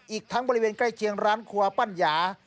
อีกทั้งบริเวณใกล้เคียงร้านครัวปั้นหยา